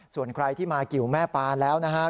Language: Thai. ส่วนใครที่มาเกี่ยวแม่ปางแล้วนะฮะ